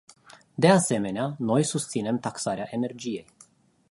De asemenea, noi susținem taxarea energiei.